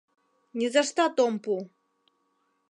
— Низаштат ом пу!